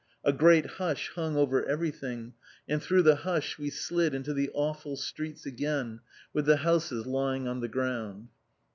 A great hush hung over everything, and through the hush we slid into the awful streets again, with the houses lying on the ground.